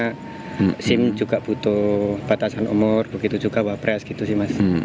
karena sim juga butuh batasan umur begitu juga wapres gitu sih mas